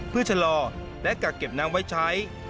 เพื่อชะลอและกักเก็บน้ำไว้ใช้